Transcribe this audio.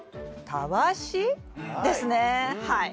たわしですねはい。